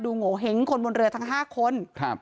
โงเห้งคนบนเรือทั้ง๕คน